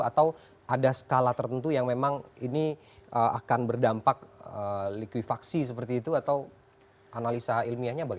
atau ada skala tertentu yang memang ini akan berdampak likuifaksi seperti itu atau analisa ilmiahnya bagaimana